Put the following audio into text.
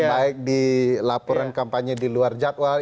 baik di laporan kampanye di luar jadwal